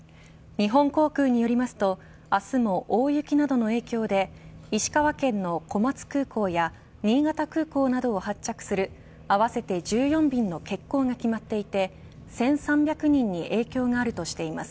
日本航空によりますと明日も大雪などの影響で石川県の小松空港や新潟空港などを発着する合わせて１４便の欠航が決まっていて１３００人に影響があるとしています。